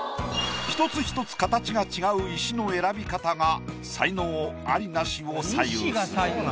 １つ１つ形が違う石の選び方が才能アリ・ナシを左右する。